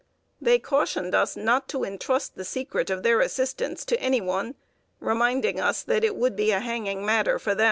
They cautioned us not to intrust the secret of their assistance to any one, reminding us that it would be a hanging matter for them.